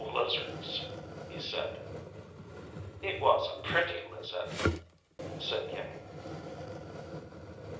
"Lizards," he said. "It was a pretty lizard," said Iimmi.